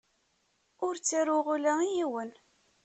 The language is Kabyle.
Ur ttaruɣ ula i yiwen.